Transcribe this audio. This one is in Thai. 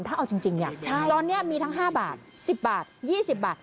ถ้าเอาจริงจริงเนี่ยตอนเนี่ยมีทั้งห้าบาทสิบบาทยี่สิบบาท